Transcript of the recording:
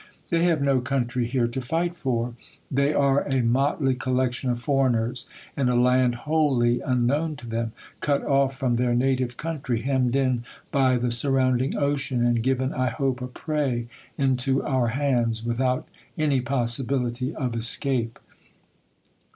They have no country here to fight for. They are a motley collection of foreigners, in a land wholly unknown to them' ; cut off from their native country, hemmed in by the sur rounding ocean; and given, I hope, a prey into our hands, without any possibility of escape.